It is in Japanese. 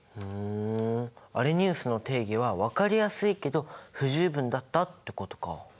ふんアレニウスの定義は分かりやすいけど不十分だったってことか。